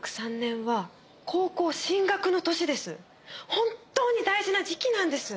本当に大事な時期なんです。